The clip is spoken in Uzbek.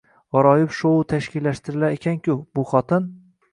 G`aroyib shou tashkillashtirar ekan-ku, bu xotin